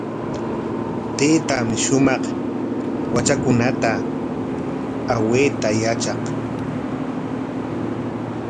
Taytaami shumaq watrakukunata awayta yatraq.